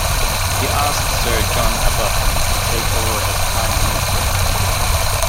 He asked Sir John Abbott to take over as prime minister.